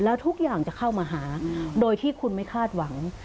แล้วทุกอย่างจะเข้ามาหาโดยที่คุณไม่คาดหวัง